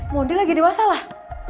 mondi lagi diwasalah